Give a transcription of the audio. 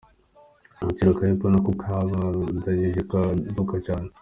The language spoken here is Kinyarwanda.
Agaciro ka Apple na ko kabandanije kaduga cane.